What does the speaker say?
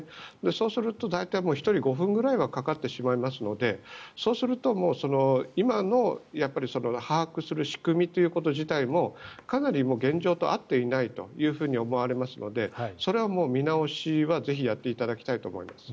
そうすると、大体１人５分くらいはかかってしまいますのでそうすると、今の把握する仕組みということ自体もかなり現状と合っていないというふうに思われますのでそれはもう見直しはぜひやっていただきたいと思います。